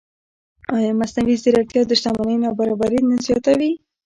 ایا مصنوعي ځیرکتیا د شتمنۍ نابرابري نه زیاتوي؟